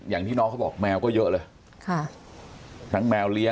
อย่างที่น้องเขาบอกแมวก็เยอะเลย